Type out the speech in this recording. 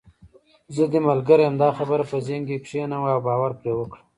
زه دې ملګرې یم، دا خبره په ذهن کې کښېنوه او باور پرې وکړه.